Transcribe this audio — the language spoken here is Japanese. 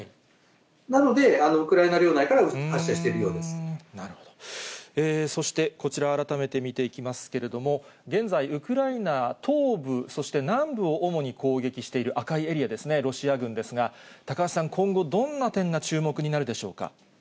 なので、ウクライナ領内から発射そしてこちら、改めて見ていきますけれども、現在、ウクライナ東部、そして南部を主に攻撃している赤いエリアですね、ロシア軍ですが、高橋さん、今後、どんな点が注目になるでしょうか。